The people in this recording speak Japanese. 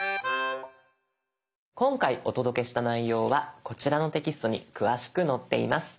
今回お届けした内容はこちらのテキストに詳しく載っています。